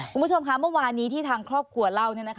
คุณผู้ชมคะเมื่อวานนี้ที่ทางครอบครัวเล่า